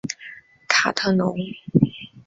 卡特农。